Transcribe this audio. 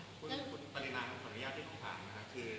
คือชาวเหมือนกันก็มีการใช้คำว่าเราเป็นส่วนของตารางร่างอย่างด้วยส่วนตัวเอง